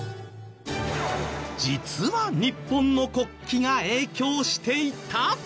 実は日本の国旗が影響していた！？